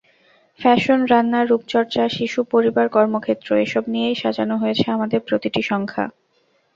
Fashion, রান্না, রূপচর্চা, শিশু, পরিবার, কর্মক্ষেত্র—এসব নিয়েই সাজানো হয়েছে আমাদের প্রতিটি সংখ্যা।